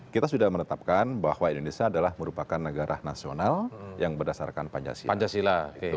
kita sudah menetapkan bahwa indonesia adalah merupakan negara nasional yang berdasarkan pancasila